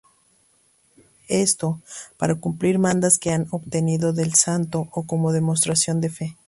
Esto, para cumplir mandas que han obtenido del santo o como demostración de fe.